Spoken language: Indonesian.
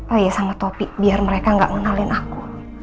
oh iya sama topi biar mereka nggak kenalin aku